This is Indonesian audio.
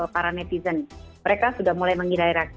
para netizen mereka sudah mulai mengira ira